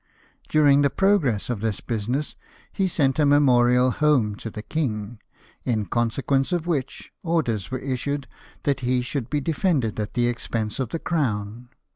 41 During tlie progress of this business he sent a memorial home to the king : in consequence of which, orders were issued that he should be defended at the expense of the Crown.